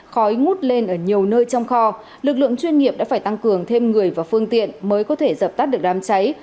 khói ngút lên ở nhiều nơi trong kho lực lượng chuyên nghiệp đã phải tăng cường thêm người và phương tiện mới có thể dập tắt được đám cháy